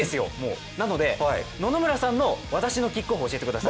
なので、野々村さんの「私のキックオフ」を教えてください。